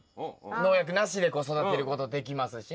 農薬なしでこう育てることできますしね。